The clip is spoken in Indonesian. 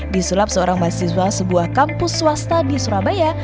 disulap seorang mahasiswa sebuah kampus swasta di surabaya